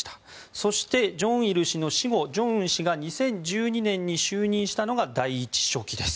そして正日氏の死後、正恩氏が２０１２年に就任したのが第１書記です。